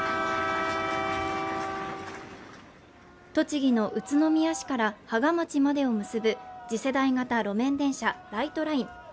栃木の宇都宮市から芳賀町までを結ぶ次世代型路面電車・ライトライン